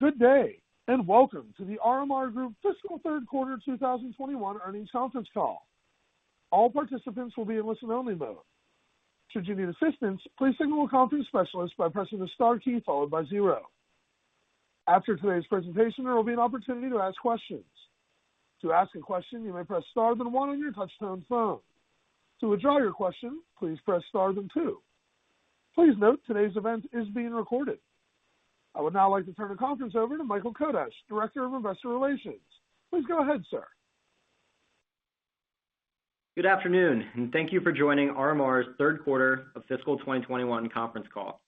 Good day, and welcome to The RMR Group fiscal third quarter 2021 earnings conference call. All participants will be in listen-only mode. Should you need assistance, please signal a conference specialist by pressing the star key followed by zero. After today's presentation, there will be an opportunity to ask questions. To ask a question, you may press star then one on your touch-tone phone. To withdraw your question, please press star then two. Please note, today's event is being recorded. I would now like to turn the conference over to Michael Kodesch, Director of Investor Relations. Please go ahead, sir. Good afternoon, and thank you for joining RMR's third quarter of fiscal 2021 conference call.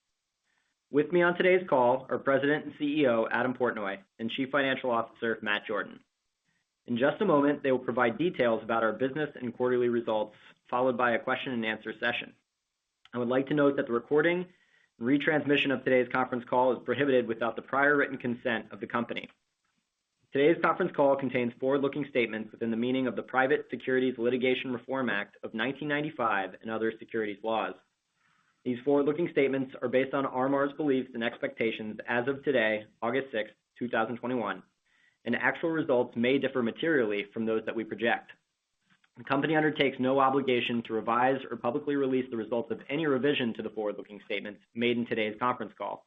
With me on today's call are President and CEO, Adam Portnoy, and Chief Financial Officer, Matt Jordan. In just a moment, they will provide details about our business and quarterly results, followed by a Q&A session. I would like to note that the recording and retransmission of today's conference call is prohibited without the prior written consent of the company. Today's conference call contains forward-looking statements within the meaning of the Private Securities Litigation Reform Act of 1995 and other securities laws. These forward-looking statements are based on RMR's beliefs and expectations as of today, August 6th, 2021, and actual results may differ materially from those that we project. The company undertakes no obligation to revise or publicly release the results of any revision to the forward-looking statements made in today's conference call.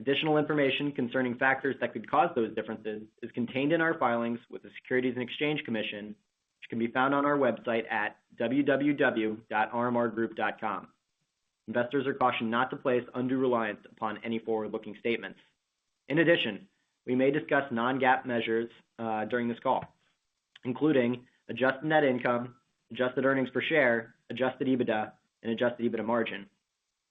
Additional information concerning factors that could cause those differences is contained in our filings with the Securities and Exchange Commission, which can be found on our website at www.rmrgroup.com. Investors are cautioned not to place undue reliance upon any forward-looking statements. In addition, we may discuss non-GAAP measures during this call, including adjusted net income, adjusted earnings per share, adjusted EBITDA, and adjusted EBITDA margin.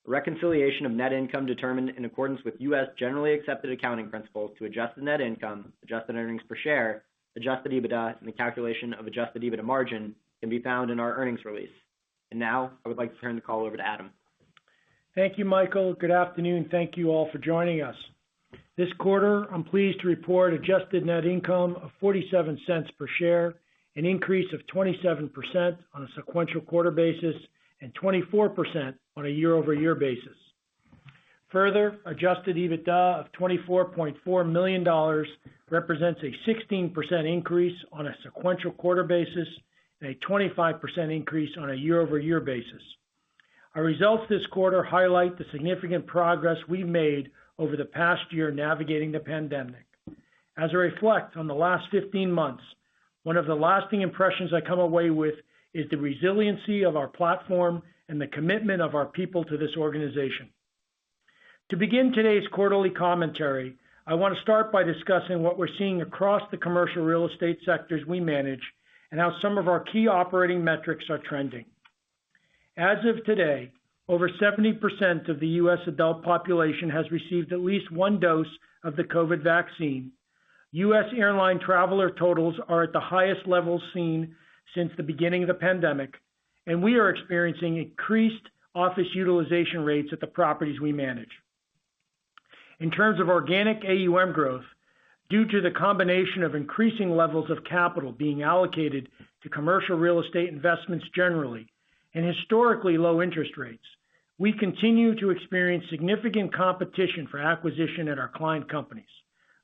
A reconciliation of net income determined in accordance with U.S. generally accepted accounting principles to adjusted net income, adjusted earnings per share, adjusted EBITDA, and the calculation of adjusted EBITDA margin can be found in our earnings release. Now, I would like to turn the call over to Adam. Thank you, Michael. Good afternoon. Thank you all for joining us. This quarter, I'm pleased to report adjusted net income of $0.47 per share, an increase of 27% on a sequential quarter basis and 24% on a year-over-year basis. Adjusted EBITDA of $24.4 million represents a 16% increase on a sequential quarter basis and a 25% increase on a year-over-year basis. Our results this quarter highlight the significant progress we made over the past year navigating the pandemic. As I reflect on the last 15 months, one of the lasting impressions I come away with is the resiliency of our platform and the commitment of our people to this organization. To begin today's quarterly commentary, I want to start by discussing what we're seeing across the commercial real estate sectors we manage and how some of our key operating metrics are trending. As of today, over 70% of the U.S. adult population has received at least one dose of the COVID vaccine. U.S. airline traveler totals are at the highest levels seen since the beginning of the pandemic, and we are experiencing increased office utilization rates at the properties we manage. In terms of organic AUM growth, due to the combination of increasing levels of capital being allocated to commercial real estate investments generally and historically low interest rates, we continue to experience significant competition for acquisition at our client companies,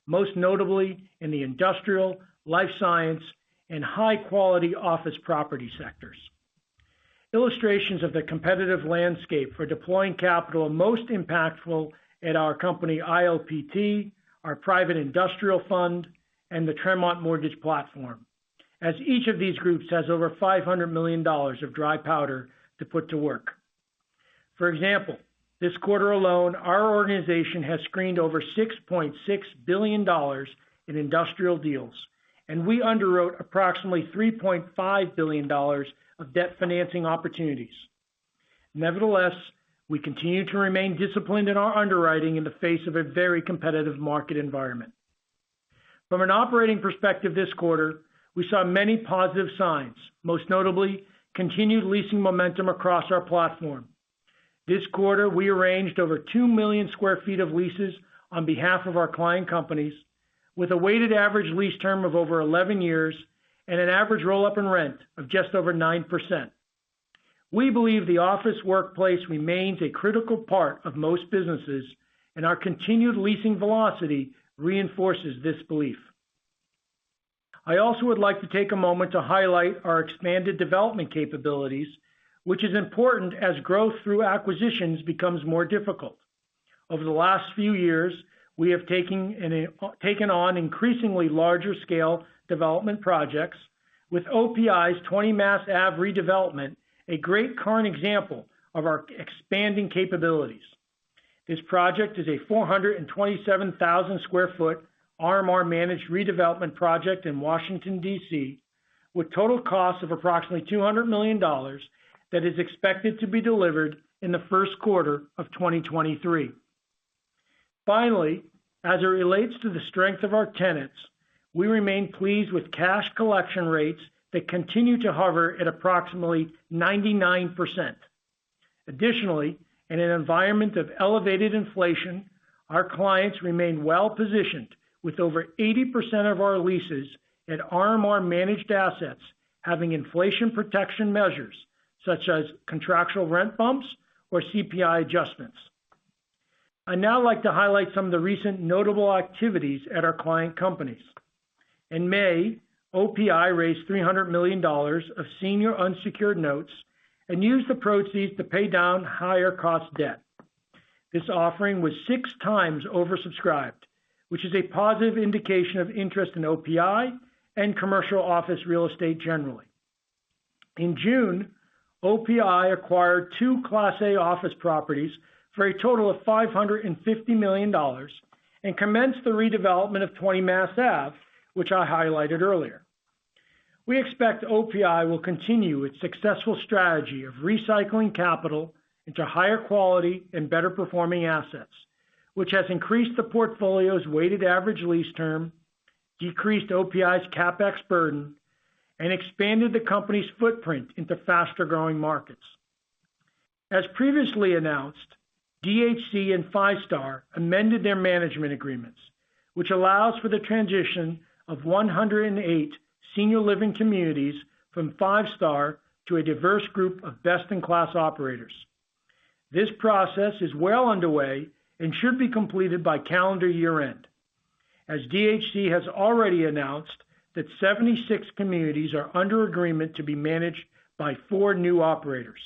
most notably in the industrial, life science, and high-quality office property sectors. Illustrations of the competitive landscape for deploying capital are most impactful at our company ILPT, our private industrial fund, and the Tremont Mortgage platform, as each of these groups has over $500 million of dry powder to put to work. For example, this quarter alone, our organization has screened over $6.6 billion in industrial deals, and we underwrote approximately $3.5 billion of debt financing opportunities. Nevertheless, we continue to remain disciplined in our underwriting in the face of a very competitive market environment. From an operating perspective this quarter, we saw many positive signs, most notably continued leasing momentum across our platform. This quarter, we arranged over 2 million sq ft of leases on behalf of our client companies with a weighted average lease term of over 11 years and an average roll-up in rent of just over 9%. We believe the office workplace remains a critical part of most businesses, and our continued leasing velocity reinforces this belief. I also would like to take a moment to highlight our expanded development capabilities, which is important as growth through acquisitions becomes more difficult. Over the last few years, we have taken on increasingly larger scale development projects with OPI's 20 Mass Ave redevelopment, a great current example of our expanding capabilities. This project is a 427,000 sq ft RMR-managed redevelopment project in Washington, D.C. with total cost of approximately $200 million that is expected to be delivered in the first quarter of 2023. As it relates to the strength of our tenants, we remain pleased with cash collection rates that continue to hover at approximately 99%. Additionally, in an environment of elevated inflation, our clients remain well-positioned with over 80% of our leases at RMR-managed assets having inflation protection measures such as contractual rent bumps or CPI adjustments. I'd now like to highlight some of the recent notable activities at our client companies. In May, OPI raised $300 million of senior unsecured notes and used the proceeds to pay down higher cost debt. This offering was 6x oversubscribed, which is a positive indication of interest in OPI and commercial office real estate generally. In June, OPI acquired two class A office properties for a total of $550 million and commenced the redevelopment of 20 Mass Ave, which I highlighted earlier. We expect OPI will continue its successful strategy of recycling capital into higher quality and better performing assets, which has increased the portfolio's weighted average lease term, decreased OPI's CapEx burden, and expanded the company's footprint into faster growing markets. As previously announced, DHC and Five Star amended their management agreements, which allows for the transition of 108 senior living communities from Five Star to a diverse group of best-in-class operators. This process is well underway and should be completed by calendar year-end, as DHC has already announced that 76 communities are under agreement to be managed by four new operators.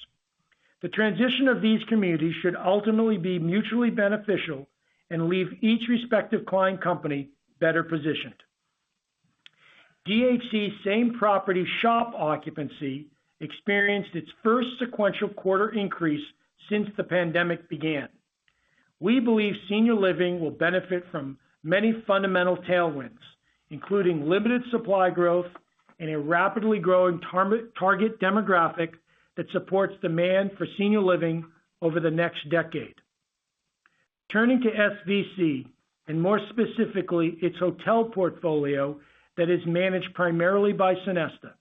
The transition of these communities should ultimately be mutually beneficial and leave each respective client company better positioned. DHC's same property SHOP occupancy experienced its first sequential quarter increase since the pandemic began. We believe senior living will benefit from many fundamental tailwinds, including limited supply growth and a rapidly growing target demographic that supports demand for senior living over the next decade. Turning to SVC, and more specifically, its hotel portfolio that is managed primarily by Sonesta.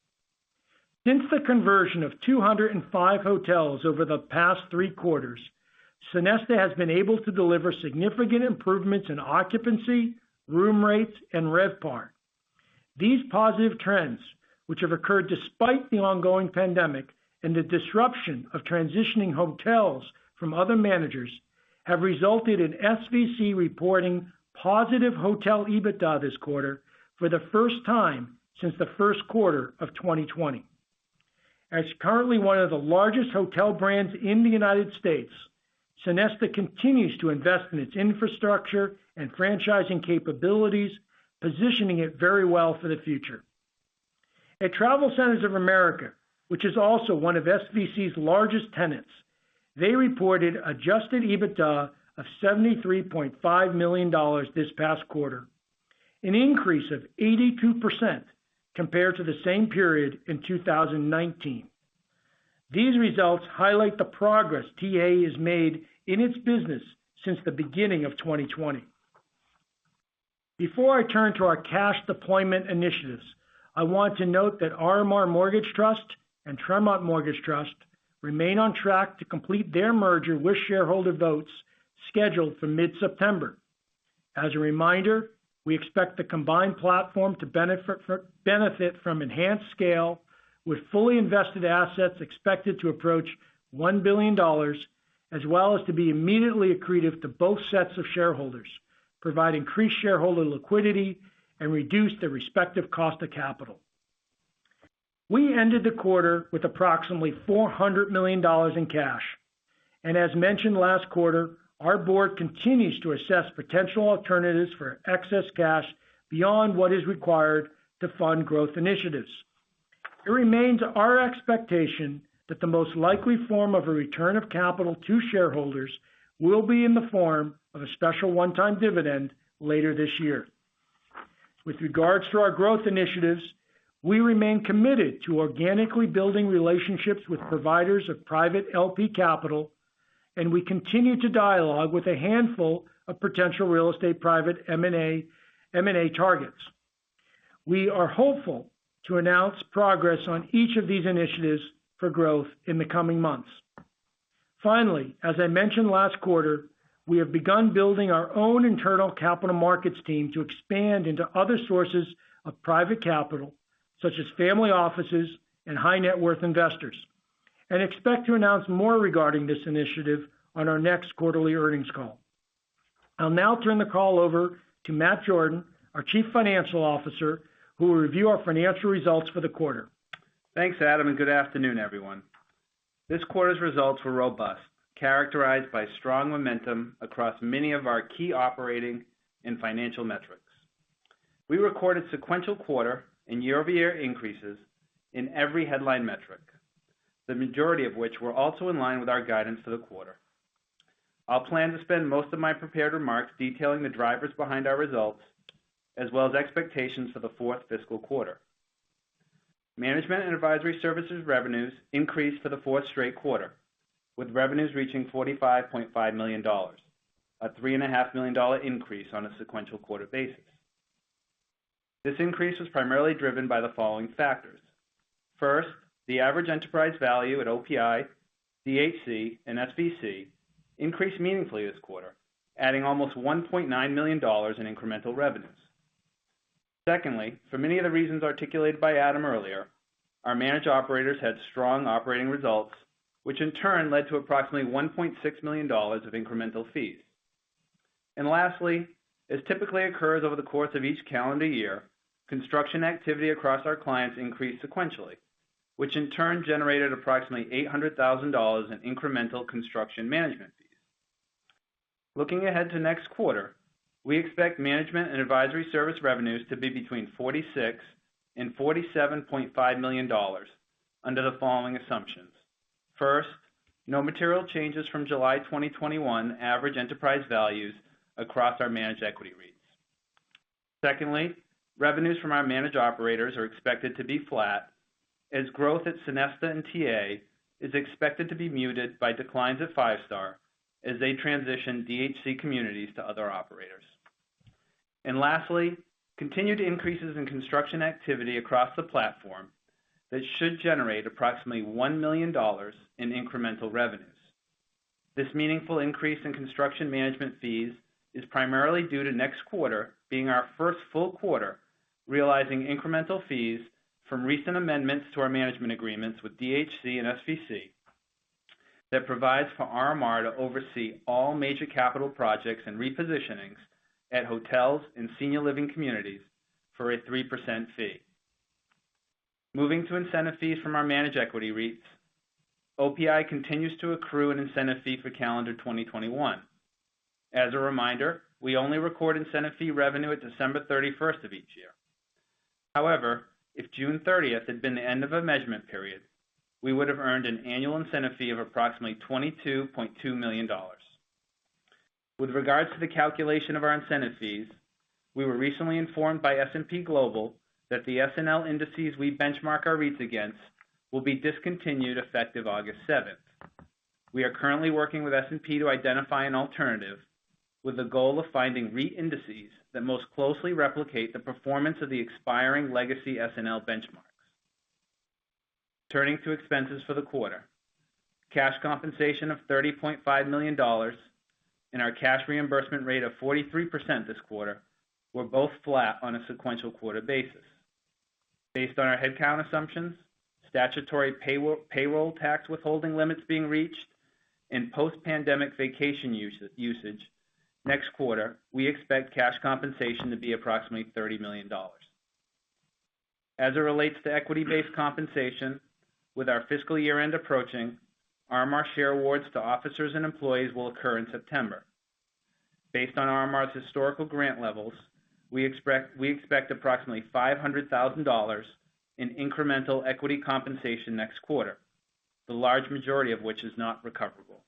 Since the conversion of 205 hotels over the past three quarters, Sonesta has been able to deliver significant improvements in occupancy, room rates, and RevPAR. These positive trends, which have occurred despite the ongoing pandemic and the disruption of transitioning hotels from other managers, have resulted in SVC reporting positive hotel EBITDA this quarter for the first time since the first quarter of 2020. As currently one of the largest hotel brands in the U.S., Sonesta continues to invest in its infrastructure and franchising capabilities, positioning it very well for the future. At TravelCenters of America, which is also one of SVC's largest tenants, they reported adjusted EBITDA of $73.5 million this past quarter, an increase of 82% compared to the same period in 2019. These results highlight the progress TA has made in its business since the beginning of 2020. Before I turn to our cash deployment initiatives, I want to note that RMR Mortgage Trust and Tremont Mortgage Trust remain on track to complete their merger with shareholder votes scheduled for mid-September. As a reminder, we expect the combined platform to benefit from enhanced scale with fully invested assets expected to approach $1 billion, as well as to be immediately accretive to both sets of shareholders, provide increased shareholder liquidity, and reduce their respective cost of capital. We ended the quarter with approximately $400 million in cash. As mentioned last quarter, our board continues to assess potential alternatives for excess cash beyond what is required to fund growth initiatives. It remains our expectation that the most likely form of a return of capital to shareholders will be in the form of a special one-time dividend later this year. With regards to our growth initiatives, we remain committed to organically building relationships with providers of private LP capital, and we continue to dialogue with a handful of potential real estate private M&A targets. We are hopeful to announce progress on each of these initiatives for growth in the coming months. Finally, as I mentioned last quarter, we have begun building our own internal capital markets team to expand into other sources of private capital, such as family offices and high net worth investors, and expect to announce more regarding this initiative on our next quarterly earnings call. I'll now turn the call over to Matt Jordan, our Chief Financial Officer, who will review our financial results for the quarter. Thanks, Adam, and good afternoon, everyone. This quarter's results were robust, characterized by strong momentum across many of our key operating and financial metrics. We recorded sequential quarter and year-over-year increases in every headline metric, the majority of which were also in line with our guidance for the quarter. I'll plan to spend most of my prepared remarks detailing the drivers behind our results, as well as expectations for the fourth fiscal quarter. Management and advisory services revenues increased for the fourth straight quarter, with revenues reaching $45.5 million, a $3.5 million increase on a sequential quarter basis. This increase was primarily driven by the following factors. The average enterprise value at OPI, DHC, and SVC increased meaningfully this quarter, adding almost $1.9 million in incremental revenues. For many of the reasons articulated by Adam earlier, our managed operators had strong operating results, which in turn led to approximately $1.6 million of incremental fees. Lastly, as typically occurs over the course of each calendar year, construction activity across our clients increased sequentially, which in turn generated approximately $800,000 in incremental construction management fees. Looking ahead to next quarter, we expect management and advisory service revenues to be between $46 million and $47.5 million under the following assumptions. No material changes from July 2021 average enterprise values across our managed equity REITs. Secondly, revenues from our managed operators are expected to be flat as growth at Sonesta and TA is expected to be muted by declines at Five Star as they transition DHC communities to other operators. Lastly, continued increases in construction activity across the platform that should generate approximately $1 million in incremental revenues. This meaningful increase in construction management fees is primarily due to next quarter being our first full quarter realizing incremental fees from recent amendments to our management agreements with DHC and SVC that provides for RMR to oversee all major capital projects and repositionings at hotels and senior living communities for a 3% fee. Moving to incentive fees from our managed equity REITs, OPI continues to accrue an incentive fee for calendar 2021. As a reminder, we only record incentive fee revenue at December 31st of each year. If June 30th had been the end of a measurement period, we would have earned an annual incentive fee of approximately $22.2 million. With regards to the calculation of our incentive fees, we were recently informed by S&P Global that the SNL indices we benchmark our REITs against will be discontinued effective August 7th. We are currently working with S&P to identify an alternative with the goal of finding REIT indices that most closely replicate the performance of the expiring legacy SNL benchmarks. Turning to expenses for the quarter. Cash compensation of $30.5 million and our cash reimbursement rate of 43% this quarter were both flat on a sequential quarter basis. Based on our headcount assumptions, statutory payroll tax withholding limits being reached, and post-pandemic vacation usage, next quarter, we expect cash compensation to be approximately $30 million. As it relates to equity-based compensation, with our fiscal year-end approaching, RMR share awards to officers and employees will occur in September. Based on RMR's historical grant levels, we expect approximately $500,000 in incremental equity compensation next quarter, the large majority of which is not recoverable.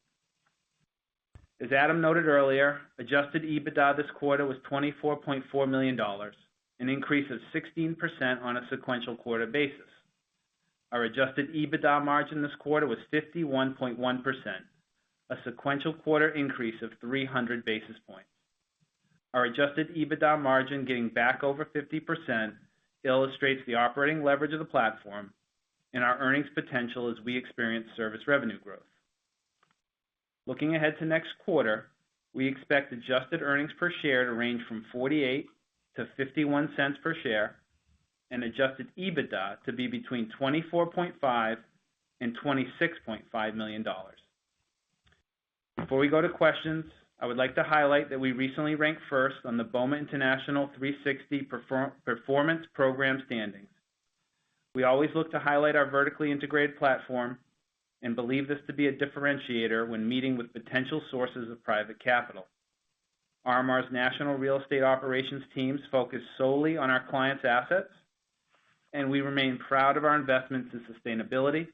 As Adam noted earlier, adjusted EBITDA this quarter was $24.4 million, an increase of 16% on a sequential quarter basis. Our adjusted EBITDA margin this quarter was 51.1%, a sequential quarter increase of 300 basis points. Our adjusted EBITDA margin getting back over 50% illustrates the operating leverage of the platform and our earnings potential as we experience service revenue growth. Looking ahead to next quarter, we expect adjusted earnings per share to range from $0.48 to $0.51 per share and adjusted EBITDA to be between $24.5 and $26.5 million. Before we go to questions, I would like to highlight that we recently ranked first on the BOMA International 360 Performance Program standings. We always look to highlight our vertically integrated platform and believe this to be a differentiator when meeting with potential sources of private capital. RMR's national real estate operations teams focus solely on our clients' assets, we remain proud of our investments in sustainability,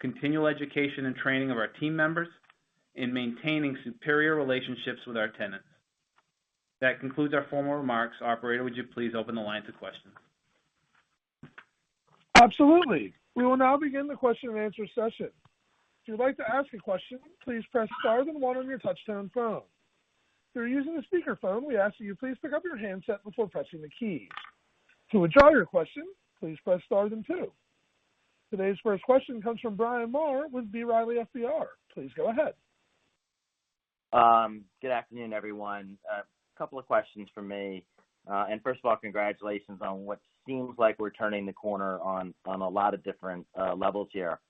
continual education and training of our team members, and maintaining superior relationships with our tenants. That concludes our formal remarks. Operator, would you please open the line to questions? Absolutely. We will now begin the Q&A session. If you would like to ask a question, please press star then one on your touch-tone phone. If you are using a speakerphone, we ask that you please pick up your handset before pressing the keys. To withdraw your question, please press star then two. Today's first question comes from Bryan Maher with B. Riley FBR. Please go ahead. Good afternoon, everyone. A couple of questions from me. First of all, congratulations on what seems like we're turning the corner on a lot of different levels here.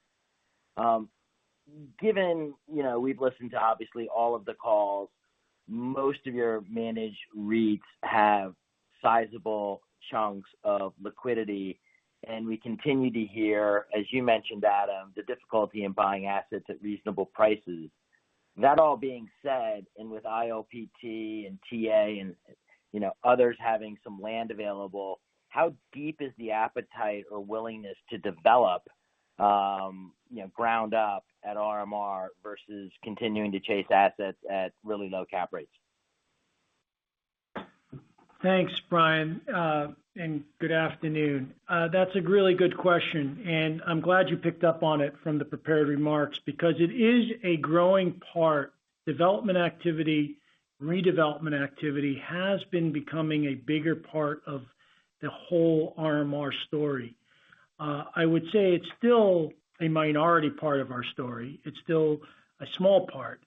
Given we've listened to, obviously, all of the calls, most of your managed REITs have sizable chunks of liquidity, and we continue to hear, as you mentioned, Adam, the difficulty in buying assets at reasonable prices. That all being said, and with ILPT and TA and others having some land available, how deep is the appetite or willingness to develop ground up at RMR versus continuing to chase assets at really low cap rates? Thanks, Bryan, good afternoon. That's a really good question, and I'm glad you picked up on it from the prepared remarks because it is a growing part. Development activity, redevelopment activity has been becoming a bigger part of the whole RMR story. I would say it's still a minority part of our story. It's still a small part,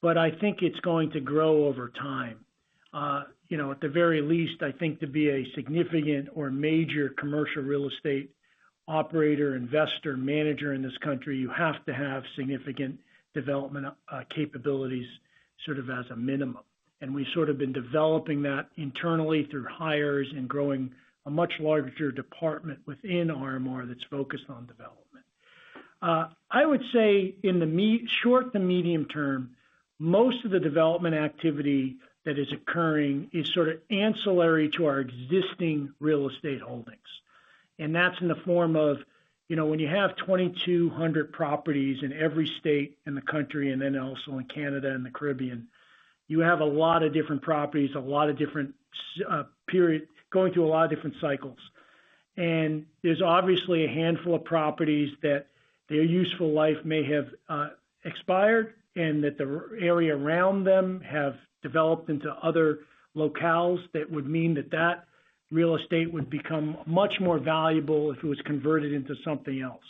but I think it's going to grow over time. At the very least, I think to be a significant or major commercial real estate operator, investor, manager in this country, you have to have significant development capabilities sort of as a minimum. We've sort of been developing that internally through hires and growing a much larger department within RMR that's focused on development. I would say in the short to medium term, most of the development activity that is occurring is sort of ancillary to our existing real estate holdings. That's in the form of when you have 2,200 properties in every state in the country and then also in Canada and the Caribbean, you have a lot of different properties, a lot of different going through a lot of different cycles. There's obviously a handful of properties that their useful life may have expired and that the area around them have developed into other locales that would mean that real estate would become much more valuable if it was converted into something else.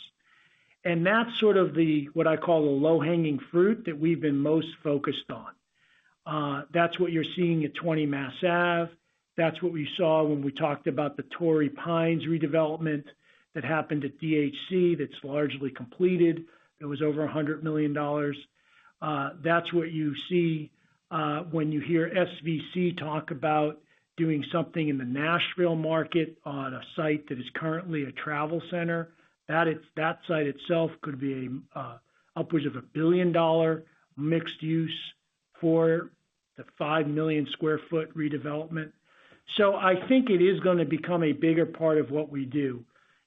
That's sort of the, what I call the low-hanging fruit that we've been most focused on. That's what you're seeing at 20 Mass Ave. That's what we saw when we talked about the Torrey Pines redevelopment that happened at DHC that's largely completed. It was over $100 million. That's what you see when you hear SVC talk about doing something in the Nashville market on a site that is currently a travel center. That site itself could be upwards of a billion-dollar mixed use for the 5 million sq ft redevelopment. I think it is going to become a bigger part of what we do.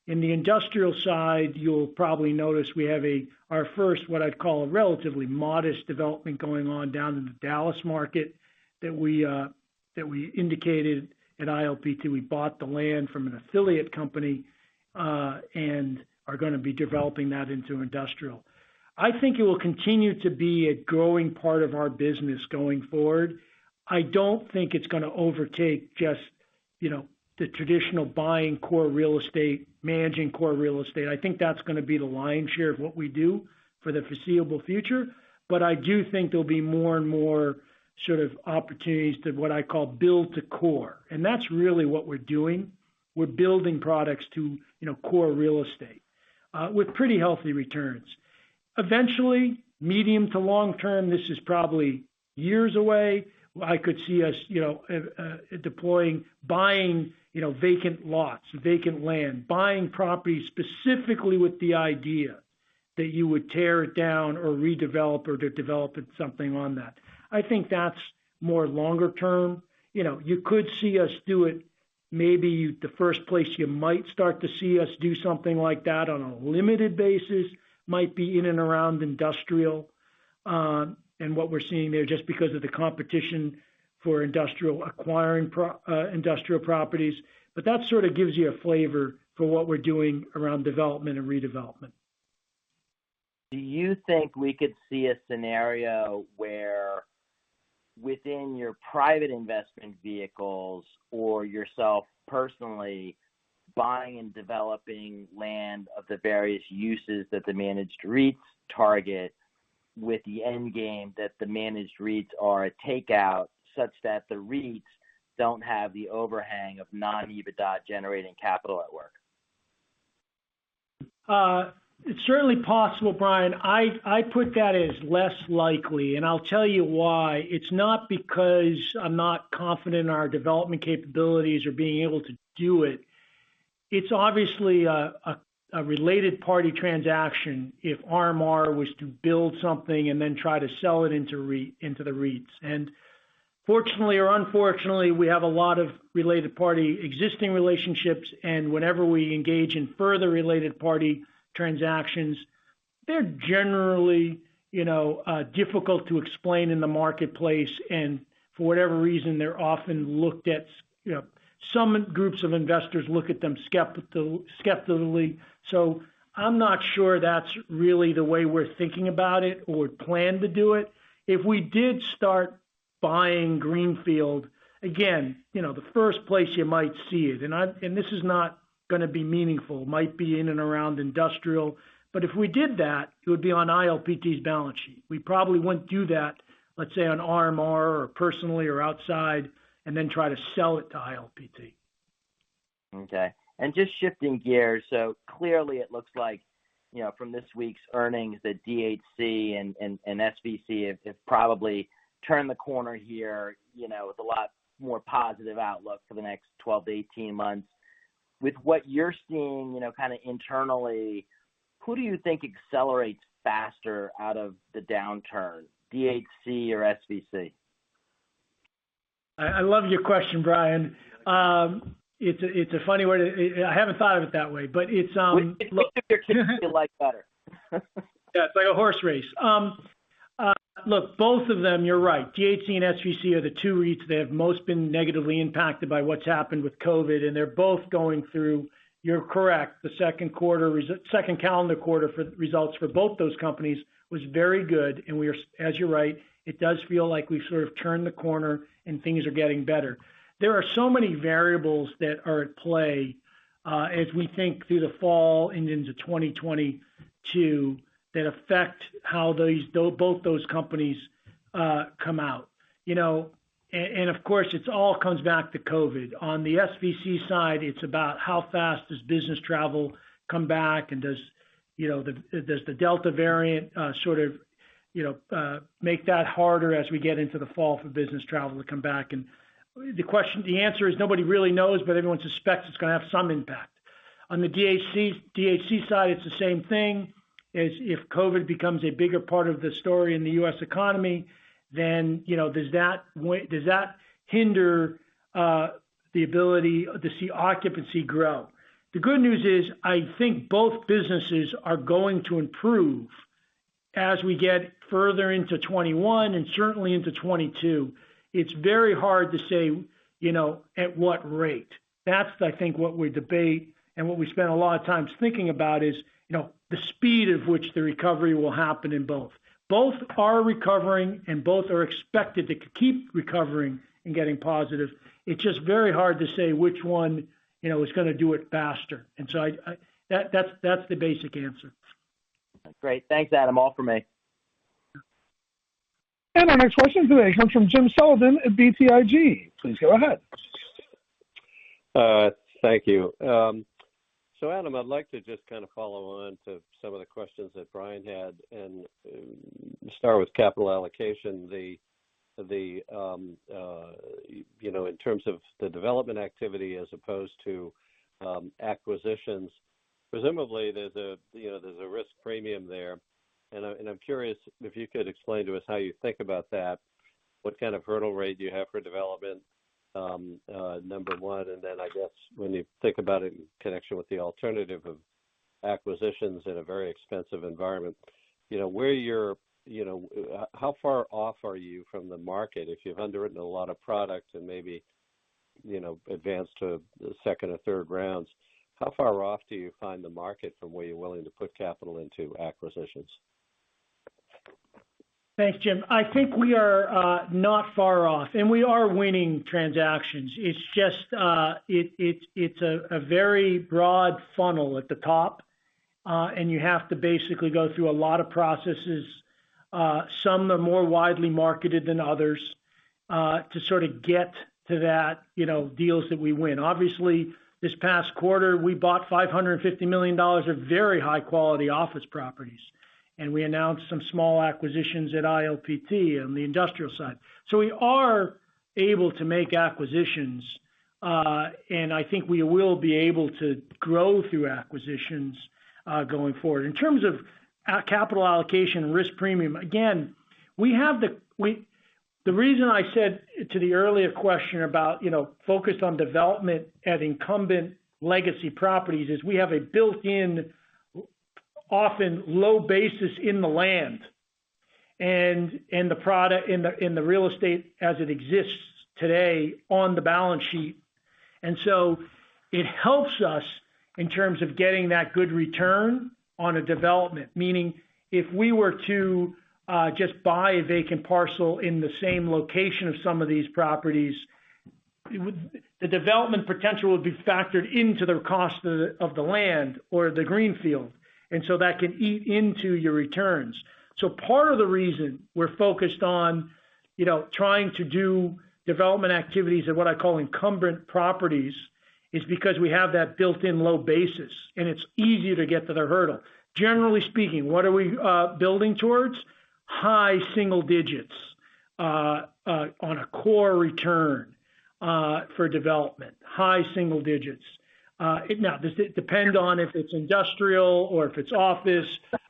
In the industrial side, you'll probably notice we have our first, what I'd call, a relatively modest development going on down in the Dallas market that we indicated at ILPT. We bought the land from an affiliate company, and are going to be developing that into industrial. I think it will continue to be a growing part of our business going forward. I don't think it's going to overtake just the traditional buying core real estate, managing core real estate. I think that's going to be the lion's share of what we do for the foreseeable future. I do think there'll be more and more sort of opportunities to what I call build to core. That's really what we're doing. We're building products to core real estate, with pretty healthy returns. Eventually, medium to long term, this is probably years away. I could see us deploying, buying vacant lots, vacant land, buying properties specifically with the idea that you would tear it down or redevelop or develop something on that. I think that's more longer term. You could see us do it, maybe the first place you might start to see us do something like that on a limited basis might be in and around industrial. What we're seeing there, just because of the competition for acquiring industrial properties. That sort of gives you a flavor for what we're doing around development and redevelopment. Do you think we could see a scenario where within your private investment vehicles or yourself personally buying and developing land of the various uses that the managed REITs target with the end game that the managed REITs are a takeout such that the REITs don't have the overhang of non-EBITDA generating capital at work? It's certainly possible, Bryan. I put that as less likely, and I'll tell you why. It's not because I'm not confident in our development capabilities or being able to do it. It's obviously a related party transaction if RMR was to build something and then try to sell it into the REITs. Fortunately or unfortunately, we have a lot of related party existing relationships, and whenever we engage in further related party transactions, they're generally difficult to explain in the marketplace. For whatever reason, Some groups of investors look at them skeptically. I'm not sure that's really the way we're thinking about it or plan to do it. If we did start buying greenfield, again, the first place you might see it, and this is not going to be meaningful, might be in and around industrial, but if we did that, it would be on ILPT's balance sheet. We probably wouldn't do that, let's say on RMR or personally or outside, and then try to sell it to ILPT. Okay. Just shifting gears. Clearly it looks like from this week's earnings that DHC and SVC have probably turned the corner here, with a lot more positive outlook for the next 12, 18 months. With what you're seeing internally, who do you think accelerates faster out of the downturn, DHC or SVC? I love your question, Bryan. It's a funny way to I haven't thought of it that way. Which of your kids do you like better? Yeah, it's like a horse race. Look, both of them, you're right. DHC and SVC are the two REITs that have most been negatively impacted by what's happened with COVID, and they're both going through. You're correct. The second calendar quarter results for both those companies was very good, and as you're right, it does feel like we've sort of turned the corner and things are getting better. There are so many variables that are at play as we think through the fall and into 2022 that affect how both those companies come out. Of course, it all comes back to COVID. On the SVC side, it's about how fast does business travel come back, and does the Delta variant sort of make that harder as we get into the fall for business travel to come back? The answer is nobody really knows, but everyone suspects it's going to have some impact. On the DHC side, it's the same thing. If COVID becomes a bigger part of the story in the U.S. economy, does that hinder the ability to see occupancy grow? The good news is, I think both businesses are going to improve as we get further into 2021 and certainly into 2022. It's very hard to say at what rate. That's I think what we debate and what we spend a lot of times thinking about is, the speed of which the recovery will happen in both. Both are recovering, and both are expected to keep recovering and getting positive. It's just very hard to say which one is going to do it faster. That's the basic answer. Great. Thanks, Adam. All for me. Our next question today comes from Jim Sullivan at BTIG. Please go ahead. Thank you. Adam, I'd like to just kind of follow on to some of the questions that Bryan had and start with capital allocation. In terms of the development activity as opposed to acquisitions, presumably there's a risk premium there. I'm curious if you could explain to us how you think about that. What kind of hurdle rate do you have for development, number one, and then I guess when you think about it in connection with the alternative of acquisitions in a very expensive environment. How far off are you from the market if you've underwritten a lot of product and maybe advanced to the second or third rounds, how far off do you find the market from where you're willing to put capital into acquisitions? Thanks, Jim. I think we are not far off, we are winning transactions. It's just a very broad funnel at the top. You have to basically go through a lot of processes. Some are more widely marketed than others, to sort of get to that, deals that we win. Obviously, this past quarter, we bought $550 million of very high quality office properties, and we announced some small acquisitions at ILPT on the industrial side. We are able to make acquisitions, and I think we will be able to grow through acquisitions going forward. In terms of capital allocation and risk premium, again, the reason I said to the earlier question about focused on development at incumbent legacy properties is we have a built-in, often low basis in the land and the real estate as it exists today on the balance sheet. It helps us in terms of getting that good return on a development. Meaning if we were to just buy a vacant parcel in the same location of some of these properties, the development potential would be factored into the cost of the land or the greenfield, that can eat into your returns. Part of the reason we're focused on trying to do development activities at what I call incumbent properties is because we have that built-in low basis, it's easier to get to the hurdle. Generally speaking, what are we building towards? High single digits on a core return for development. High single digits. Does it depend on if it's industrial or if it's office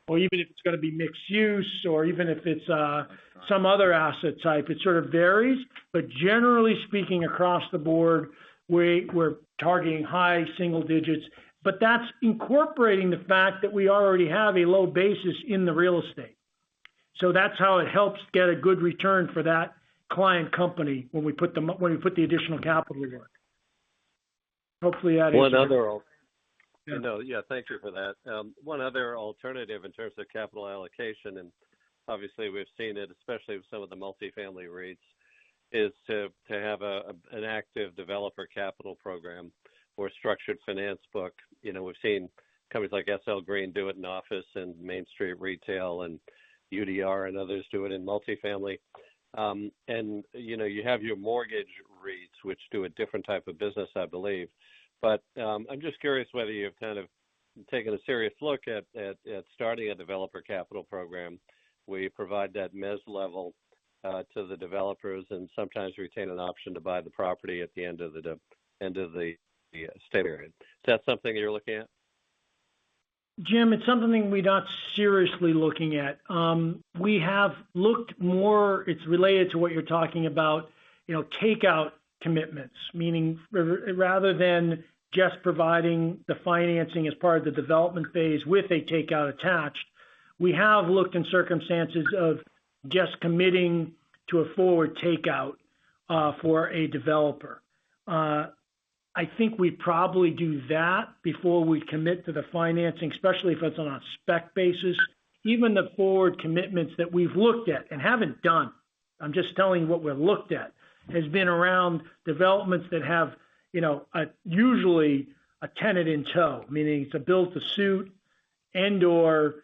or even if it's going to be mixed use or even if it's some other asset type? It sort of varies, but generally speaking, across the board, we're targeting high single digits. That's incorporating the fact that we already have a low basis in the real estate. That's how it helps get a good return for that client company when we put the additional capital to work. Hopefully that answers. Yeah, thank you for that. One other alternative in terms of capital allocation, and obviously we've seen it, especially with some of the multifamily REITs, is to have an active developer capital program or structured finance book. We've seen companies like SL Green do it in office and mainstream retail, and UDR and others do it in multifamily. You have your mortgage REITs, which do a different type of business, I believe. I'm just curious whether you've kind of taken a serious look at starting a developer capital program where you provide that mezz level to the developers and sometimes retain an option to buy the property at the end of the stay period. Is that something you're looking at? Jim, it's something we're not seriously looking at. We have looked more, it's related to what you're talking about, takeout commitments, meaning rather than just providing the financing as part of the development phase with a takeout attached. We have looked in circumstances of just committing to a forward takeout for a developer. I think we'd probably do that before we commit to the financing, especially if it's on a spec basis. Even the forward commitments that we've looked at and haven't done, I'm just telling you what we've looked at, has been around developments that have usually a tenant in tow, meaning it's a build to suit and/or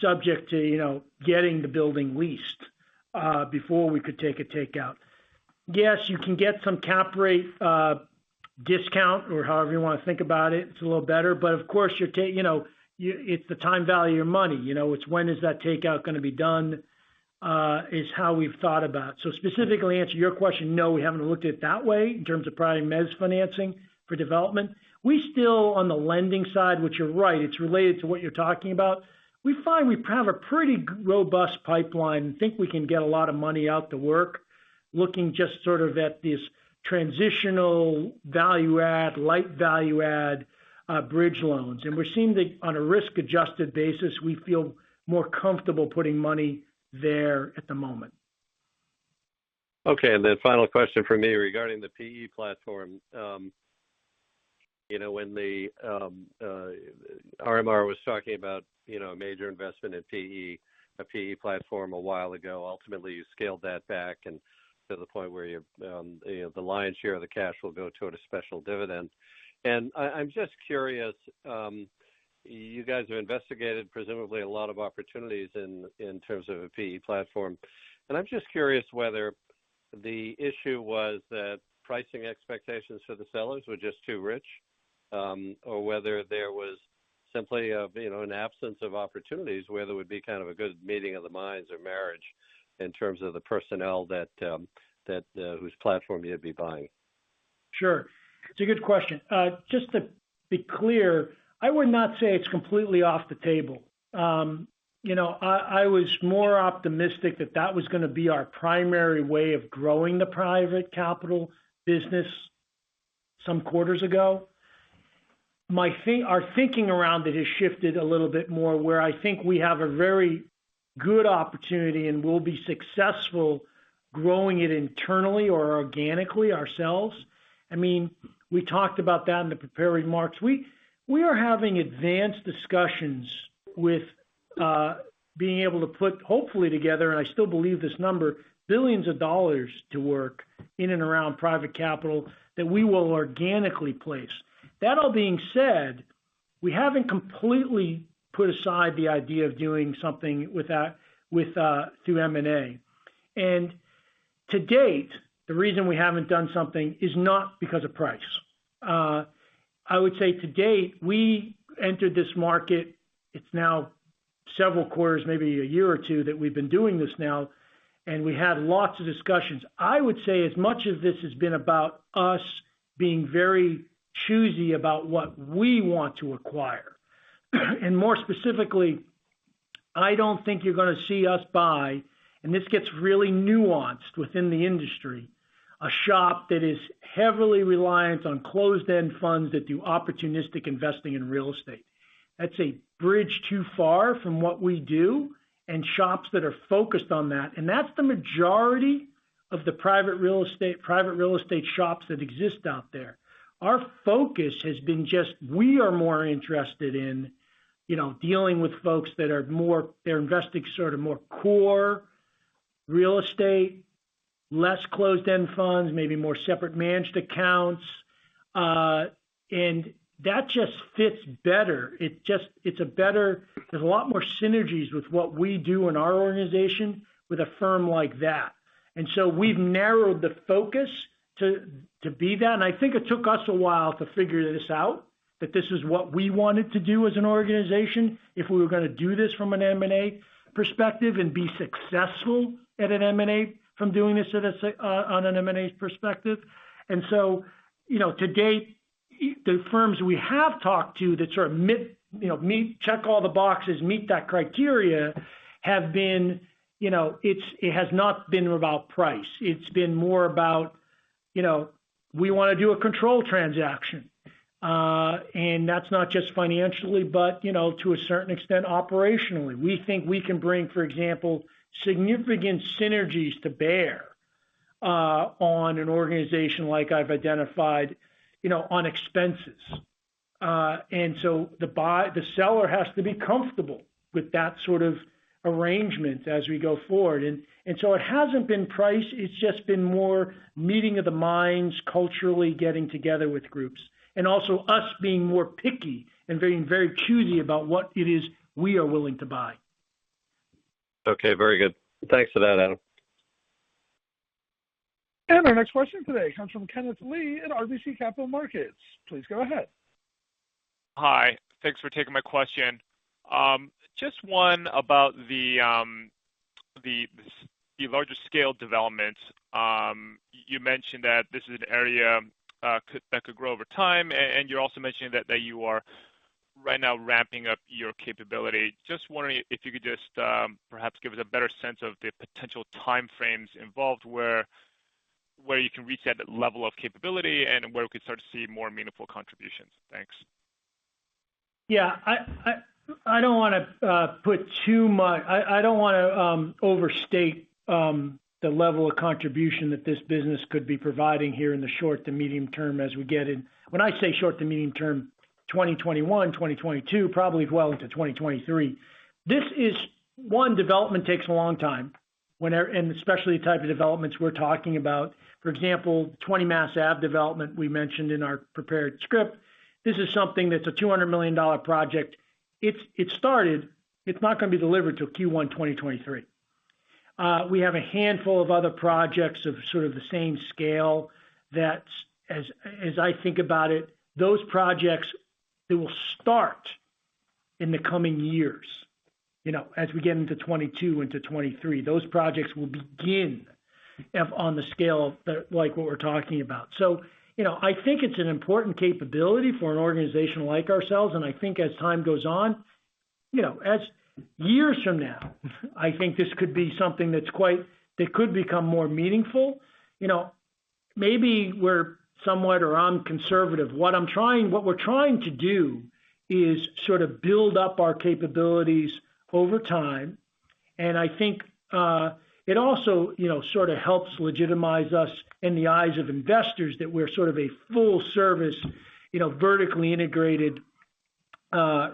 subject to getting the building leased before we could take a takeout. Yes, you can get some cap rate discount or however you want to think about it. It's a little better. Of course, it's the time value of money. It's when is that takeout going to be done, is how we've thought about. Specifically to answer your question, no, we haven't looked at it that way in terms of providing mezz financing for development. We still, on the lending side, which you're right, it's related to what you're talking about. We find we have a pretty robust pipeline and think we can get a lot of money out to work looking just sort of at these transitional value add, light value add, bridge loans. We're seeing that on a risk-adjusted basis, we feel more comfortable putting money there at the moment. Okay, then final question from me regarding the PE platform. When RMR was talking about a major investment in a PE platform a while ago, ultimately you scaled that back to the point where the lion's share of the cash will go toward a special dividend. I'm just curious, you guys have investigated presumably a lot of opportunities in terms of a PE platform. I'm just curious whether the issue was that pricing expectations for the sellers were just too rich. Or whether there was simply an absence of opportunities where there would be kind of a good meeting of the minds or marriage in terms of the personnel whose platform you'd be buying. Sure. It's a good question. Just to be clear, I would not say it's completely off the table. I was more optimistic that that was going to be our primary way of growing the private capital business some quarters ago. Our thinking around it has shifted a little bit more where I think we have a very good opportunity and will be successful growing it internally or organically ourselves. We talked about that in the prepared remarks. We are having advanced discussions with being able to put hopefully together, and I still believe this number, billions of dollars to work in and around private capital that we will organically place. That all being said, we haven't completely put aside the idea of doing something through M&A. To date, the reason we haven't done something is not because of price. I would say to date, we entered this market. It's now several quarters, maybe a year or two that we've been doing this now. We had lots of discussions. I would say as much of this has been about us being very choosy about what we want to acquire. More specifically, I don't think you're going to see us buy, and this gets really nuanced within the industry, a shop that is heavily reliant on closed-end funds that do opportunistic investing in real estate. That's a bridge too far from what we do and shops that are focused on that. That's the majority of the private real estate shops that exist out there. Our focus has been just we are more interested in dealing with folks that are investing sort of more core real estate, less closed-end funds, maybe more separate managed accounts. That just fits better. There's a lot more synergies with what we do in our organization with a firm like that. We've narrowed the focus to be that. I think it took us a while to figure this out, that this is what we wanted to do as an organization if we were going to do this from an M&A perspective and be successful at an M&A from doing this on an M&A perspective. To date, the firms we have talked to that sort of check all the boxes, meet that criteria, it has not been about price. It's been more about we want to do a control transaction. That's not just financially, but to a certain extent, operationally. We think we can bring, for example, significant synergies to bear on an organization like I've identified on expenses. The seller has to be comfortable with that sort of arrangement as we go forward. It hasn't been price, it's just been more meeting of the minds culturally getting together with groups. Also us being more picky and being very choosy about what it is we are willing to buy. Okay, very good. Thanks for that, Adam. Our next question today comes from Kenneth Lee in RBC Capital Markets. Please go ahead. Hi. Thanks for taking my question. Just one about the larger scale developments. You mentioned that this is an area that could grow over time, and you're also mentioning that you are right now ramping up your capability. Just wondering if you could just perhaps give us a better sense of the potential time frames involved where you can reach that level of capability and where we could start to see more meaningful contributions. Thanks. Yeah. I don't want to overstate the level of contribution that this business could be providing here in the short to medium term. When I say short to medium term, 2021, 2022, probably well into 2023. One, development takes a long time, and especially the type of developments we're talking about. For example, 20 Mass Ave development we mentioned in our prepared script. This is something that's a $200 million project. It's started. It's not going to be delivered till Q1 2023. We have a handful of other projects of sort of the same scale that, as I think about it, those projects, they will start in the coming years. As we get into 2022 into 2023, those projects will begin on the scale like what we're talking about. I think it's an important capability for an organization like ourselves, and I think as time goes on, as years from now, I think this could be something that could become more meaningful. Maybe we're somewhat or I'm conservative. What we're trying to do is sort of build up our capabilities over time. I think, it also sort of helps legitimize us in the eyes of investors that we're sort of a full-service, vertically integrated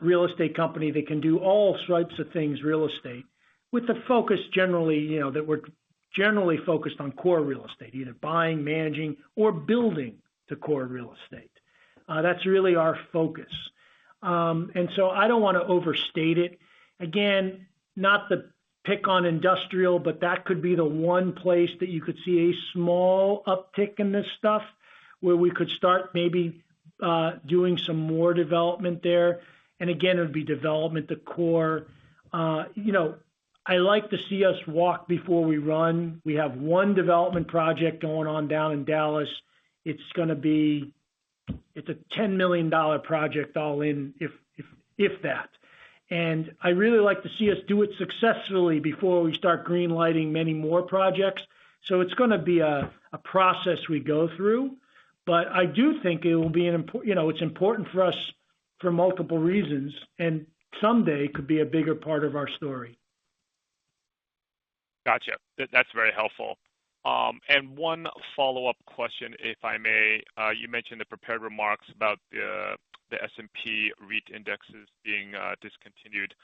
real estate company that can do all stripes of things real estate, with the focus generally that we're generally focused on core real estate, either buying, managing, or building the core real estate. That's really our focus. I don't want to overstate it. Not to pick on industrial, but that could be the one place that you could see a small uptick in this stuff, where we could start maybe doing some more development there. It would be development, the core. I like to see us walk before we run. We have one development project going on down in Dallas. It's a $10 million project all in, if that. I really like to see us do it successfully before we start green-lighting many more projects. It's going to be a process we go through. I do think it's important for us for multiple reasons, and someday could be a bigger part of our story. Got you. That's very helpful. One follow-up question, if I may. You mentioned the prepared remarks about the S&P REIT indexes being discontinued.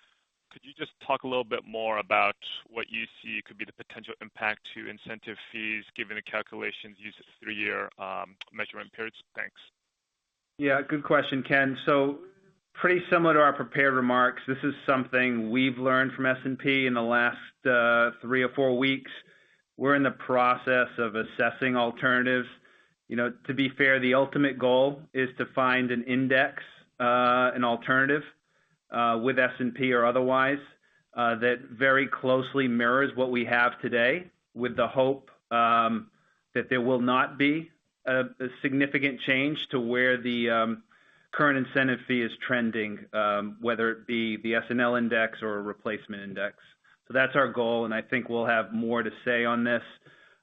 Could you just talk a little bit more about what you see could be the potential impact to incentive fees given the calculations use a three-year measurement periods? Thanks. Yeah, good question, Ken. Pretty similar to our prepared remarks. This is something we've learned from S&P in the last three or four weeks. We're in the process of assessing alternatives. To be fair, the ultimate goal is to find an index, an alternative, with S&P or otherwise, that very closely mirrors what we have today with the hope that there will not be a significant change to where the current incentive fee is trending, whether it be the SNL index or a replacement index. That's our goal, and I think we'll have more to say on this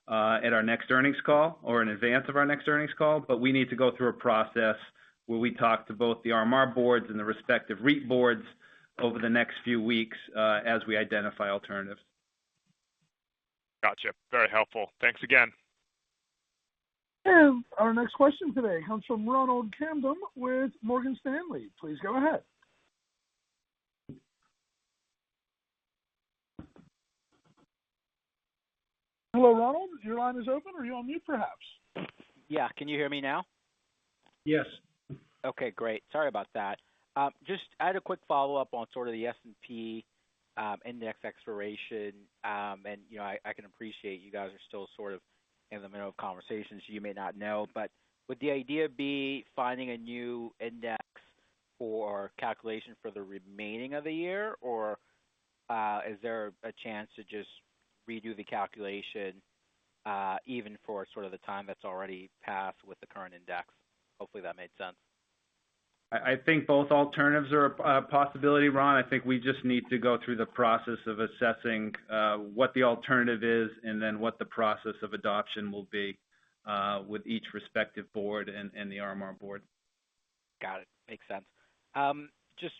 at our next earnings call or in advance of our next earnings call. We need to go through a process where we talk to both The RMR Group boards and the respective REIT boards over the next few weeks, as we identify alternatives. Got you. Very helpful. Thanks again. Our next question today comes from Ronald Kamdem with Morgan Stanley. Please go ahead. Hello, Ronald. Your line is open or you're on mute, perhaps. Yeah. Can you hear me now? Yes. Okay, great. Sorry about that. I had a quick follow-up on sort of the S&P index expiration. I can appreciate you guys are still sort of in the middle of conversations, you may not know, but would the idea be finding a new index for calculation for the remaining of the year, or is there a chance to just redo the calculation even for sort of the time that's already passed with the current index? Hopefully that made sense. I think both alternatives are a possibility, Ron. I think we just need to go through the process of assessing what the alternative is and then what the process of adoption will be with each respective board and The RMR Group board. Got it. Makes sense. Just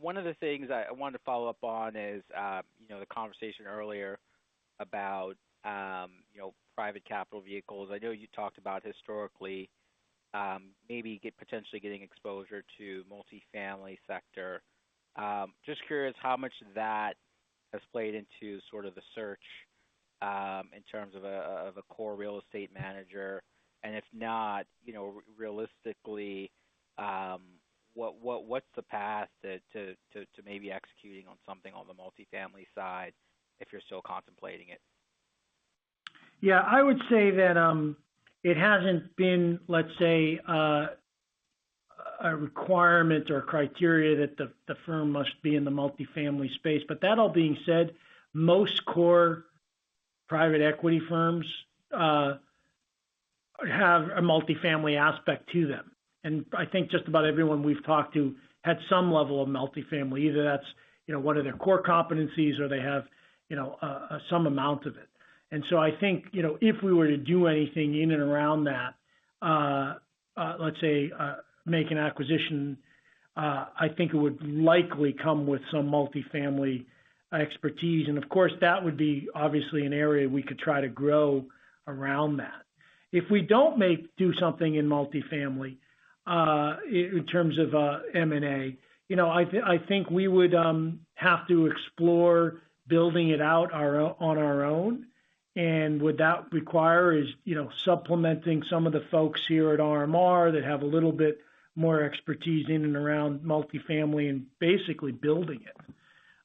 one of the things I wanted to follow up on is the conversation earlier about private capital vehicles. I know you talked about historically, maybe potentially getting exposure to multi-family sector. Just curious how much that has played into sort of the search, in terms of a core real estate manager. If not, realistically, what's the path to maybe executing on something on the multi-family side if you're still contemplating it? Yeah, I would say that it hasn't been, let's say, a requirement or criteria that the firm must be in the multifamily space. That all being said, most core private equity firms have a multifamily aspect to them. I think just about everyone we've talked to had some level of multifamily, either that's one of their core competencies or they have some amount of it. I think, if we were to do anything in and around that, let's say, make an acquisition, I think it would likely come with some multifamily expertise. Of course, that would be obviously an area we could try to grow around that. If we don't do something in multifamily, in terms of M&A, I think we would have to explore building it out on our own. Would that require is supplementing some of the folks here at RMR that have a little bit more expertise in and around multifamily and basically building it.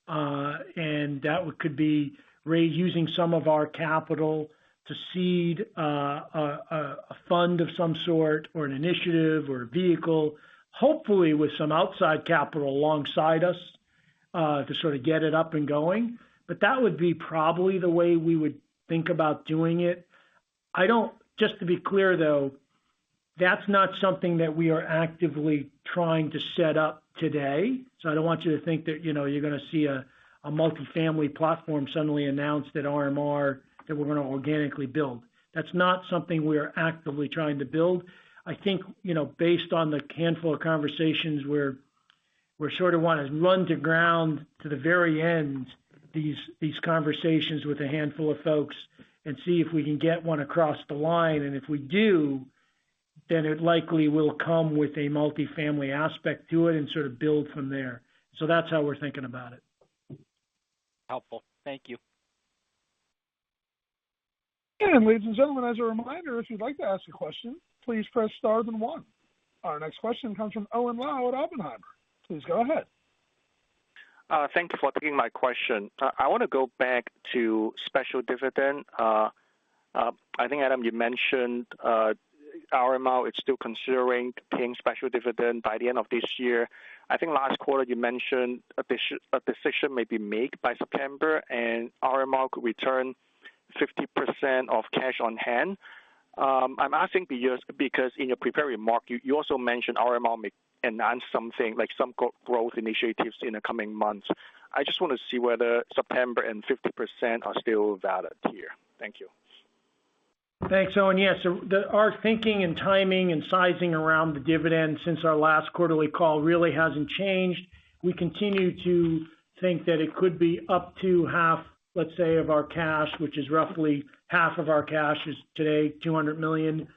That could be using some of our capital to seed a fund of some sort, or an initiative or a vehicle, hopefully with some outside capital alongside us, to sort of get it up and going. That would be probably the way we would think about doing it. Just to be clear, though, that's not something that we are actively trying to set up today. I don't want you to think that you're going to see a multifamily platform suddenly announced at RMR that we're going to organically build. That's not something we are actively trying to build. I think, based on the handful of conversations where we sort of want to run to ground to the very end these conversations with a handful of folks and see if we can get one across the line. If we do, then it likely will come with a multifamily aspect to it and sort of build from there. That's how we're thinking about it. Helpful. Thank you. Ladies and gentlemen, as a reminder, if you'd like to ask a question, please press star then one. Our next question comes from Owen Lau at Oppenheimer. Please go ahead. Thank you for taking my question. I want to go back to special dividend. I think, Adam, you mentioned RMR is still considering paying special dividend by the end of this year. I think last quarter you mentioned a decision may be made by September and RMR could return 50% of cash on hand. I'm asking because in your prepared remarks, you also mentioned RMR may announce something like some growth initiatives in the coming months. I just want to see whether September and 50% are still valid here. Thank you. Thanks, Owen. Yes. Our thinking and timing and sizing around the dividend since our last quarterly call really hasn't changed. We continue to think that it could be up to half, let's say, of our cash, which is roughly half of our cash is today, $200 million.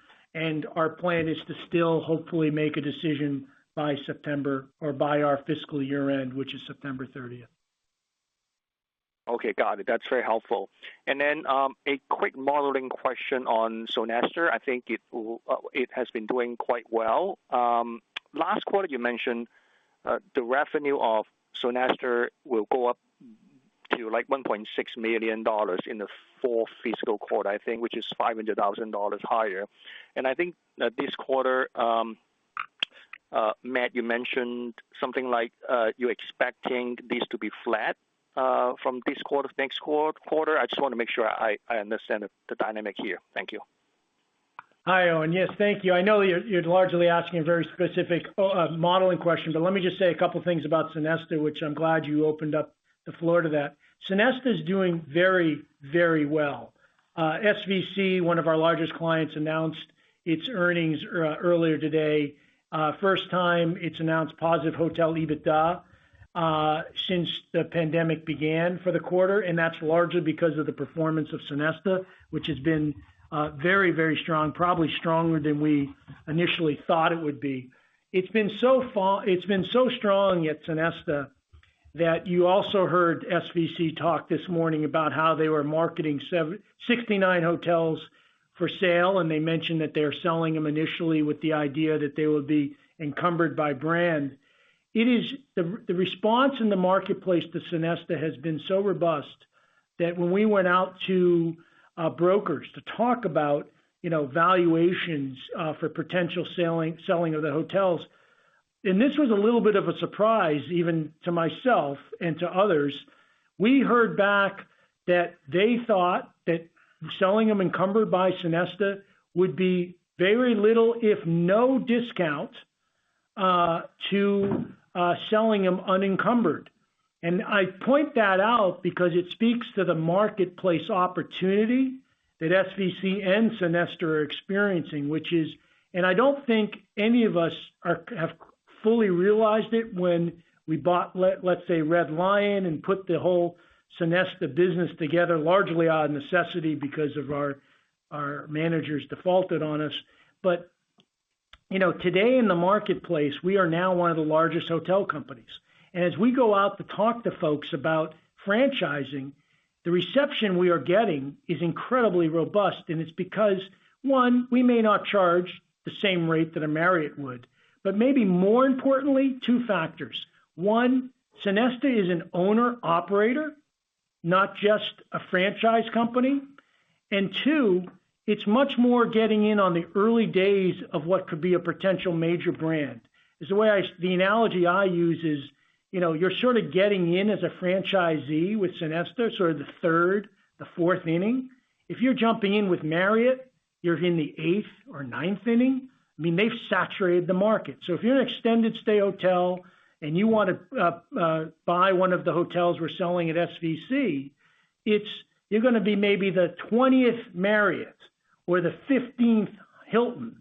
Our plan is to still hopefully make a decision by September or by our fiscal year-end, which is September 30th. Okay, got it. That's very helpful. A quick modeling question on Sonesta. I think it has been doing quite well. Last quarter you mentioned, the revenue of Sonesta will go up to like $1.6 million in the fourth fiscal quarter, I think, which is $500,000 higher. I think that this quarter, Matt, you mentioned something like you're expecting this to be flat from this quarter, next quarter. I just want to make sure I understand the dynamic here. Thank you. Hi, Owen. Yes. Thank you. I know you're largely asking a very specific modeling question, but let me just say a couple things about Sonesta, which I'm glad you opened up the floor to that. Sonesta is doing very well. SVC, one of our largest clients, announced its earnings earlier today. First time it's announced positive hotel EBITDA since the pandemic began for the quarter, and that's largely because of the performance of Sonesta, which has been very strong, probably stronger than we initially thought it would be. It's been so strong at Sonesta that you also heard SVC talk this morning about how they were marketing 69 hotels for sale, and they mentioned that they're selling them initially with the idea that they would be encumbered by brand. The response in the marketplace to Sonesta has been so robust that when we went out to brokers to talk about valuations for potential selling of the hotels, and this was a little bit of a surprise even to myself and to others. We heard back that they thought that selling them encumbered by Sonesta would be very little, if no discount to selling them unencumbered. I point that out because it speaks to the marketplace opportunity that SVC and Sonesta are experiencing, and I don't think any of us have fully realized it when we bought, let's say, Red Lion and put the whole Sonesta business together, largely out of necessity because of our managers defaulted on us. Today in the marketplace, we are now one of the largest hotel companies. As we go out to talk to folks about franchising, the reception we are getting is incredibly robust, and it's because, one, we may not charge the same rate that a Marriott would. Maybe more importantly, two factors. One, Sonesta is an owner/operator, not just a franchise company. Two, it's much more getting in on the early days of what could be a potential major brand. The analogy I use is. You're sort of getting in as a franchisee with Sonesta, sort of the third, the fourth inning. If you're jumping in with Marriott, you're in the eighth or ninth inning. They've saturated the market. If you're an extended stay hotel and you want to buy one of the hotels we're selling at SVC, you're going to be maybe the 20th Marriott or the 15th Hilton,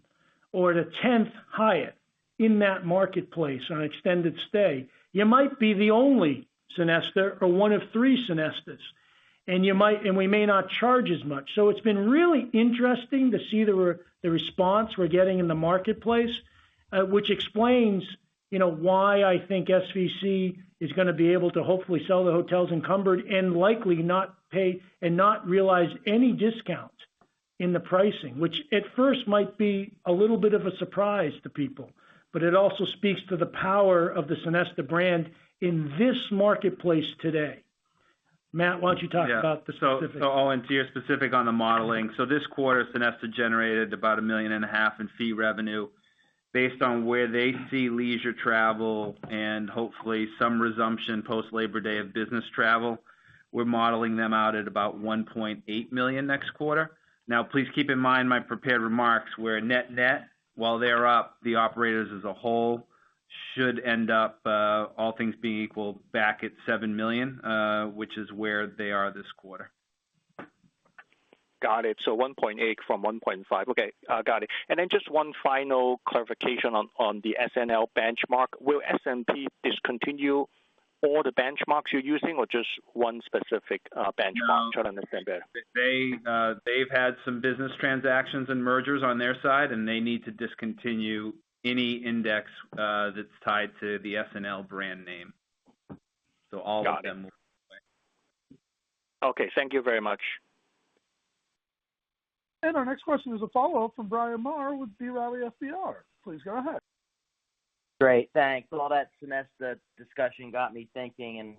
or the 10th Hyatt in that marketplace on extended stay. You might be the only Sonesta or one of three Sonestas, and we may not charge as much. It's been really interesting to see the response we're getting in the marketplace, which explains why I think SVC is going to be able to hopefully sell the hotels encumbered and likely not pay and not realize any discount in the pricing. Which at first might be a little bit of a surprise to people, but it also speaks to the power of the Sonesta brand in this marketplace today. Matt, why don't you talk about the specifics? I'll enter specific on the modeling. This quarter, Sonesta generated about a million and a half dollars in fee revenue based on where they see leisure travel and hopefully some resumption post Labor Day of business travel. We're modeling them out at about $1.8 million next quarter. Please keep in mind my prepared remarks were net net. While they're up, the operators as a whole should end up, all things being equal, back at $7 million, which is where they are this quarter. Got it. $1.8 million from $1.5 million. Okay. Got it. Just one final clarification on the SNL benchmark. Will S&P discontinue all the benchmarks you're using or just one specific benchmark? Trying to understand better. No. They've had some business transactions and mergers on their side, and they need to discontinue any index that's tied to the SNL brand name. Got it. All of them. Okay. Thank you very much. Our next question is a follow-up from Bryan Maher with B. Riley FBR. Please go ahead. Great. Thanks. All that Sonesta discussion got me thinking, and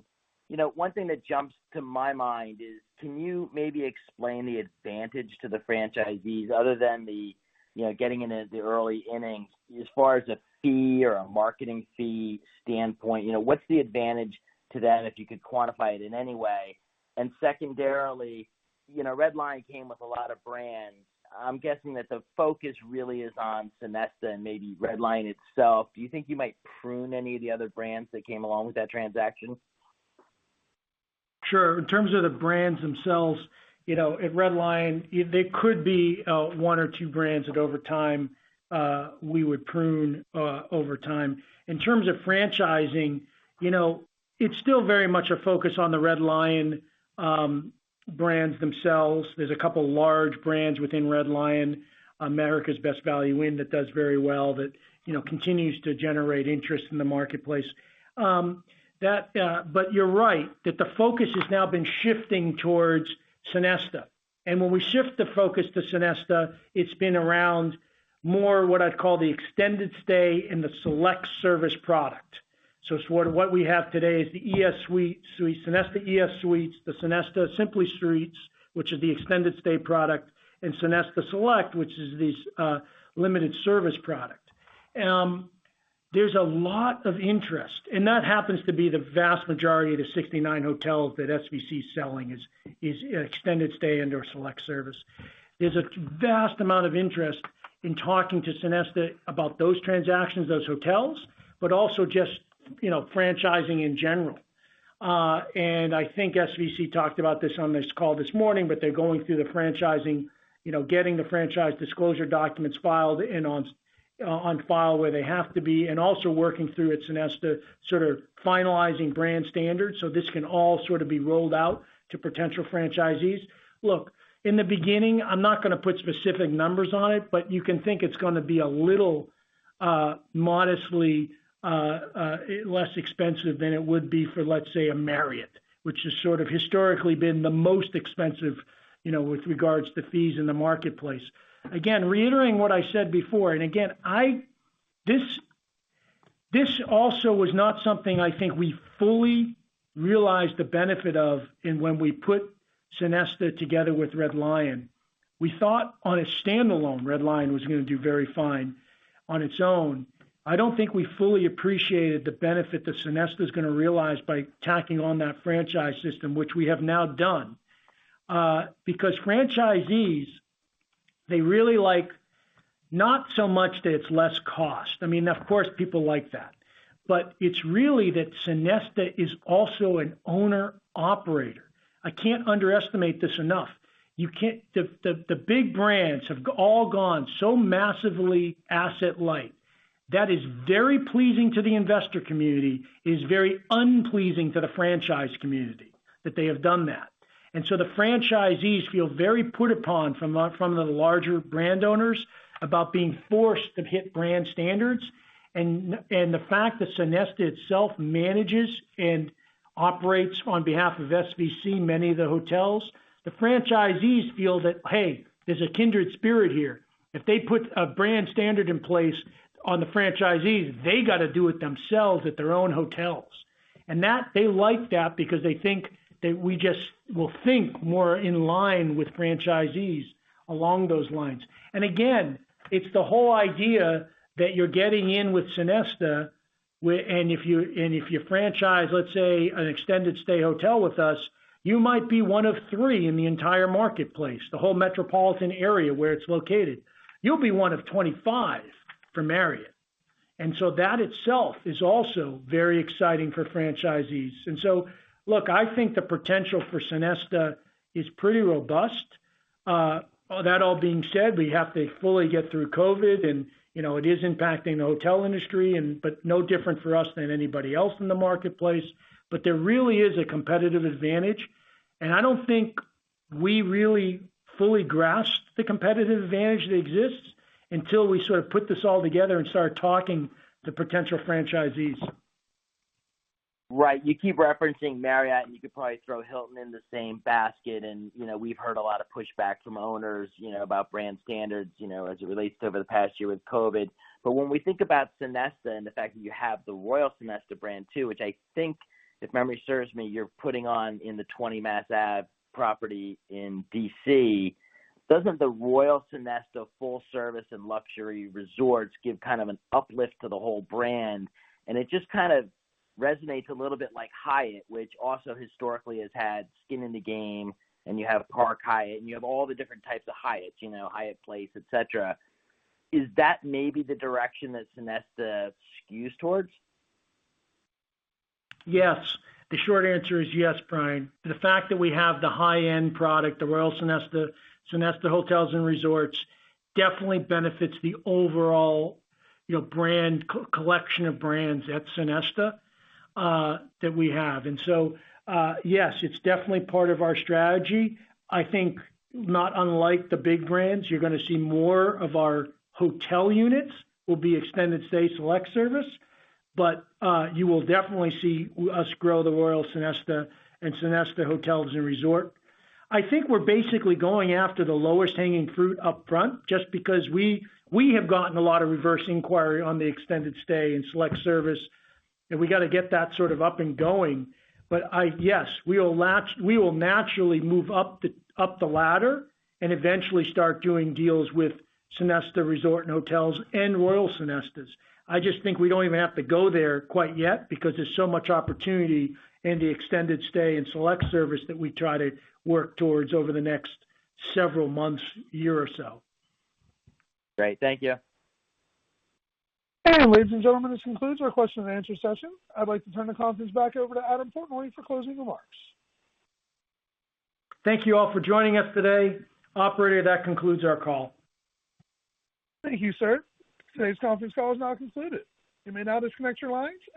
one thing that jumps to my mind is, can you maybe explain the advantage to the franchisees other than the getting into the early innings as far as a fee or a marketing fee standpoint? What's the advantage to them, if you could quantify it in any way? Secondarily, Red Lion came with a lot of brands. I'm guessing that the focus really is on Sonesta and maybe Red Lion itself. Do you think you might prune any of the other brands that came along with that transaction? Sure. In terms of the brands themselves, at Red Lion, there could be one or two brands that over time we would prune over time. In terms of franchising, it's still very much a focus on the Red Lion brands themselves. There's a couple large brands within Red Lion, Americas Best Value Inn, that does very well, that continues to generate interest in the marketplace. But you're right that the focus has now been shifting towards Sonesta. When we shift the focus to Sonesta, it's been around more what I'd call the extended stay and the select service product. So sort of what we have today is the ES Suites, Sonesta ES Suites, the Sonesta Simply Suites, which is the extended stay product, and Sonesta Select, which is the limited service product. There's a lot of interest, and that happens to be the vast majority of the 69 hotels that SVC is selling is extended stay under a select service. There's a vast amount of interest in talking to Sonesta about those transactions, those hotels, but also just franchising in general. I think SVC talked about this on this call this morning, but they're going through the franchising, getting the Franchise Disclosure Documents filed and on file where they have to be, and also working through at Sonesta, sort of finalizing brand standards so this can all sort of be rolled out to potential franchisees. In the beginning, I'm not going to put specific numbers on it, you can think it's going to be a little modestly less expensive than it would be for, let's say, a Marriott, which has sort of historically been the most expensive with regards to fees in the marketplace. Reiterating what I said before, this also was not something I think we fully realized the benefit of in when we put Sonesta together with Red Lion. We thought on a standalone, Red Lion was going to do very fine on its own. I don't think we fully appreciated the benefit that Sonesta's going to realize by tacking on that franchise system, which we have now done. Franchisees, they really like, not so much that it's less cost. I mean, of course, people like that. It's really that Sonesta is also an owner/operator. I can't underestimate this enough. The big brands have all gone so massively asset light. That is very pleasing to the investor community. It is very unpleasing to the franchise community that they have done that. The franchisees feel very put upon from the larger brand owners about being forced to hit brand standards. The fact that Sonesta itself manages and operates on behalf of SVC many of the hotels, the franchisees feel that, hey, there's a kindred spirit here. If they put a brand standard in place on the franchisees, they got to do it themselves at their own hotels. They like that because they think that we just will think more in line with franchisees along those lines. It's the whole idea that you're getting in with Sonesta. If you franchise, let's say, an extended stay hotel with us, you might be one of three in the entire marketplace, the whole metropolitan area where it's located. You'll be one of 25 for Marriott. That itself is also very exciting for franchisees. I think the potential for Sonesta is pretty robust. That all being said, we have to fully get through COVID and it is impacting the hotel industry, but no different for us than anybody else in the marketplace. There really is a competitive advantage, and I don't think we really fully grasp the competitive advantage that exists until we sort of put this all together and start talking to potential franchisees. Right. You keep referencing Marriott, you could probably throw Hilton in the same basket, we've heard a lot of pushback from owners about brand standards, as it relates to over the past year with COVID. When we think about Sonesta and the fact that you have the Royal Sonesta brand too, which I think, if memory serves me, you're putting on in the 20 Mass Ave property in D.C. Doesn't the Royal Sonesta full service and luxury resorts give kind of an uplift to the whole brand? It just kind of resonates a little bit like Hyatt, which also historically has had skin in the game, you have Park Hyatt, you have all the different types of Hyatts, Hyatt Place, et cetera. Is that maybe the direction that Sonesta skews towards? The short answer is yes, Bryan. The fact that we have the high-end product, the Royal Sonesta Hotels and Resorts, definitely benefits the overall collection of brands at Sonesta that we have. Yes, it's definitely part of our strategy. I think not unlike the big brands, you're going to see more of our hotel units will be extended stay select service, but you will definitely see us grow the Royal Sonesta and Sonesta Hotels & Resorts. I think we're basically going after the lowest hanging fruit up front, just because we have gotten a lot of reverse inquiry on the extended stay and select service, and we got to get that sort of up and going. Yes, we will naturally move up the ladder and eventually start doing deals with Sonesta Hotels & Resorts and Royal Sonestas. I just think we don't even have to go there quite yet because there's so much opportunity in the extended stay and select service that we try to work towards over the next several months, year or so. Great. Thank you. Ladies and gentlemen, this concludes our Q&A session. I'd like to turn the conference back over to Adam Portnoy for closing remarks. Thank you all for joining us today. Operator, that concludes our call. Thank you, sir. Today's conference call is now concluded. You may now disconnect your lines.